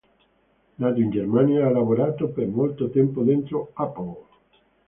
Nato in Germania, ha lavorato per molto tempo dentro Apple.